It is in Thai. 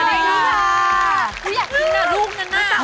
อยากกินอ่ะลูกนั้นอ่ะ